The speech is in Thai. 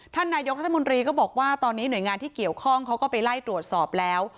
ท่านนายกรัฐมนตรีก็บอกว่าตอนนี้หน่วยงานที่เกี่ยวข้องเขาก็ไปไล่ตรวจสอบแล้ว